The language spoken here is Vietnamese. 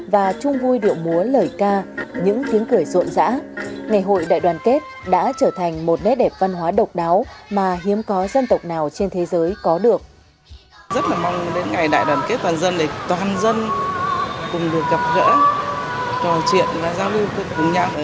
rất là mong đến ngày đài đoàn kết toàn dân để toàn dân cùng được gặp gỡ trò chuyện và giao lưu cùng nhau